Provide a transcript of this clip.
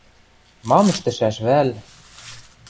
Мам ӹштӹшӓш вӓл?..